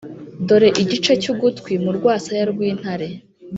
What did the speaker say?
dore igice cy’ugutwi mu rwasaya rw’intare,